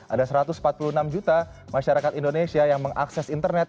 ada satu ratus empat puluh enam juta masyarakat indonesia yang mengakses internet